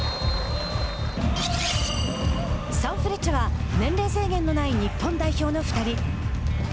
サンフレッチェは年齢制限のない日本代表の２人。